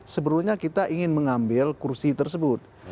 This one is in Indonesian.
sebelumnya kita ingin mengambil kursi tersebut